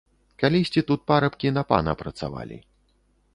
Калісьці тут парабкі на пана працавалі.